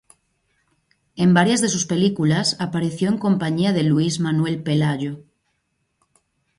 En varias de sus películas, apareció en compañía de Luis Manuel Pelayo.